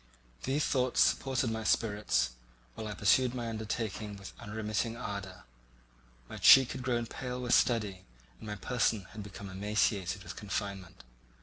These thoughts supported my spirits, while I pursued my undertaking with unremitting ardour. My cheek had grown pale with study, and my person had become emaciated with confinement.